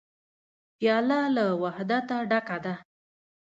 پیاله له وحدته ډکه ده.